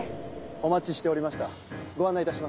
お待ちしておりました